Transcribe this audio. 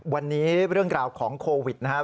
วันนี้เรื่องราวของโควิดนะครับ